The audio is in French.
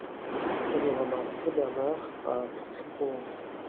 Panorama Saint-Bernard à Trans-en-Provence